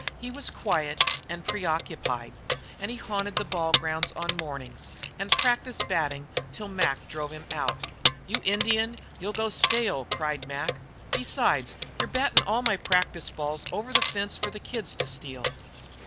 He was quiet and preoccupied, and haunted the ball grounds on mornings and practised batting till Mac drove him out. "You Indian, you'll go stale!" Cried Mac. "Besides, you're battin' all my practice balls over the fence for the kids to steal."